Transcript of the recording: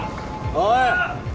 おい！